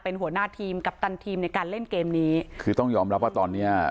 เป็นหัวหน้าทีมกัปตันทีมในการเล่นเกมนี้คือต้องยอมรับว่าตอนเนี้ย